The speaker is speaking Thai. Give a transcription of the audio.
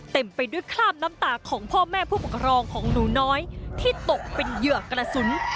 เต็มไปด้วยคราบน้ำตาของพ่อแม่ผู้ปกครองของหนูน้อยที่ตกเป็นเหยื่อกระสุน